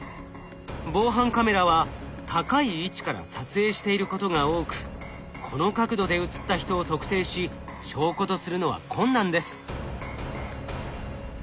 防犯カメラは高い位置から撮影していることが多くこの角度で映った人を特定し証拠とするのは困難です。